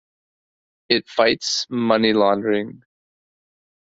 It fights money laundering.